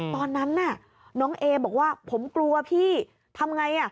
ตอนนั้นน่ะน้องเอบอกว่าผมกลัวพี่ทำไง